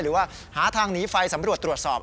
หรือว่าหาทางหนีไฟสำรวจตรวจสอบ